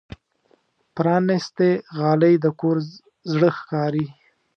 پرانستې غالۍ د کور زړه ښکاري.